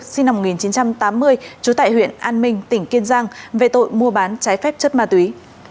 sinh năm một nghìn chín trăm tám mươi trú tại huyện an minh tỉnh kiên giang về tội mua bán trái phép chất ma túy